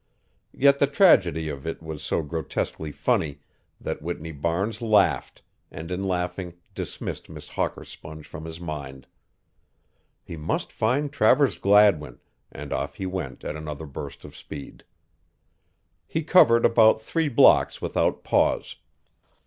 Yet the tragedy of it was so grotesquely funny that Whitney Barnes laughed, and in laughing dismissed Miss Hawker Sponge from his mind. He must find Travers Gladwin, and off he went at another burst of speed. He covered about three blocks without pause.